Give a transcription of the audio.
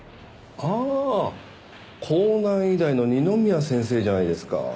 ああ港南医大の二宮先生じゃないですか。